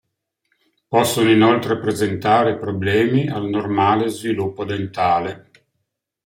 Possono inoltre presentare problemi al normale sviluppo dentale.